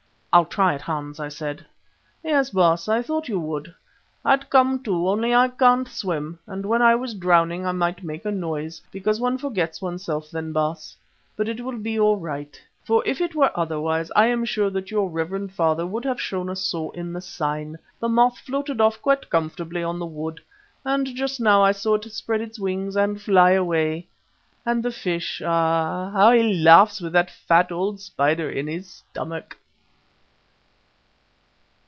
"I'll try it, Hans," I said. "Yes, Baas, I thought you would. I'd come, too, only I can't swim and when I was drowning I might make a noise, because one forgets oneself then, Baas. But it will be all right, for if it were otherwise I am sure that your reverend father would have shown us so in the sign. The moth floated off quite comfortably on the wood, and just now I saw it spread its wings and fly away. And the fish, ah! how he laughs with that fat old spider in his stomach!"